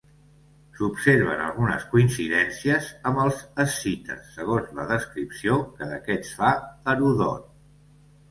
S'observen algunes coincidències amb els escites segons la descripció que d'aquests fa Heròdot.